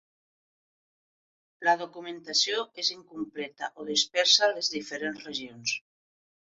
La documentació és incompleta o dispersa a les diferents regions.